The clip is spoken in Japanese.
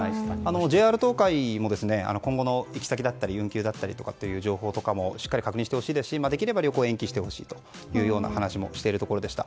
ＪＲ東海も今後の行き先だったり運休などの情報もしっかり確認してほしいですしできれば延期してほしいという話もしているところでした。